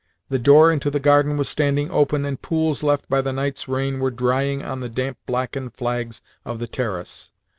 The door into the garden was standing open, and pools left by the night's rain were drying on the damp blackened flags of the terrace.